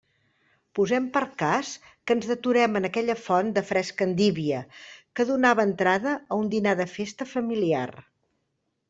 Posem per cas que ens deturem en aquella font de fresca endívia que donava entrada a un dinar de festa familiar.